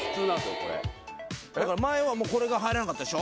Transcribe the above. これ前はもうこれが入らなかったでしょ